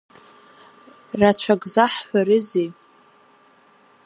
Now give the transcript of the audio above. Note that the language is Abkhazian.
Рацәак заҳҳәарызеи…